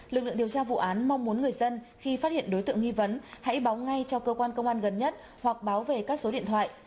lực lượng điều tra vụ án mong muốn người dân khi phát hiện đối tượng nghi vấn hãy báo ngay cho cơ quan công an gần nhất hoặc báo về các số điện thoại